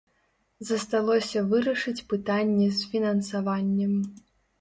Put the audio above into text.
Засталося вырашыць пытанне з фінансаваннем.